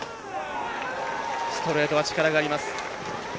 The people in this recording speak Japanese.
ストレートは力があります。